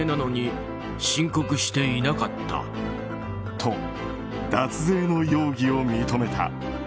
と、脱税の容疑を認めた。